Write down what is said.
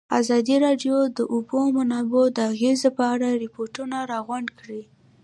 ازادي راډیو د د اوبو منابع د اغېزو په اړه ریپوټونه راغونډ کړي.